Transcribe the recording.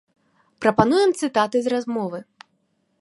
Прапануем цытаты з размовы.